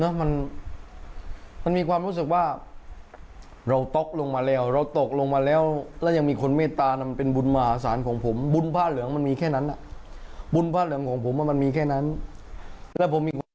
น้ำตามันมันมีความรู้สึกว่าเราป๊อบลงมาแล้วเราตกลงมาแล้วและยังมีคนไม่ต่างี่เป็นบุญมาสานของผมว่าได้มิมมีแค่นั้นะว่าได้ของผมเอามันมีแค่